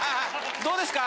どうですか？